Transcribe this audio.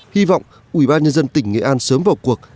hy vọng ubnd tỉnh nghệ an sớm vào cuộc